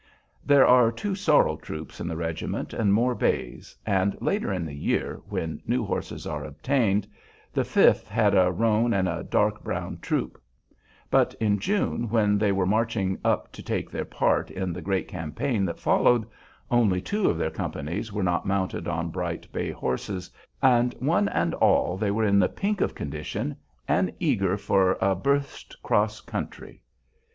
There are two sorrel troops in the regiment and more bays, and later in the year, when new horses were obtained, the Fifth had a roan and a dark brown troop; but in June, when they were marching up to take their part in the great campaign that followed, only two of their companies were not mounted on bright bay horses, and one and all they were in the pink of condition and eager for a burst "'cross country."